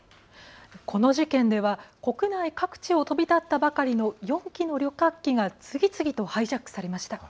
この事件では国内各地を飛び立ったばかりの４機の旅客機が次々とハイジャックされました。